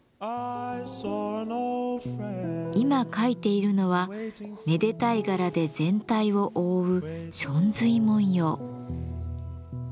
今描いているのはめでたい柄で全体を覆う祥瑞文様。